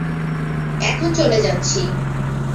এখন চলে যাচ্ছি।